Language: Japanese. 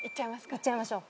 いっちゃいましょう。